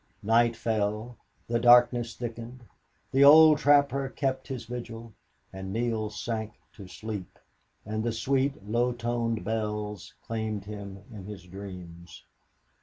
Night fell the darkness thickened the old trapper kept his vigil and Neale sank to sleep, and the sweet, low toned bells claimed him in his dreams.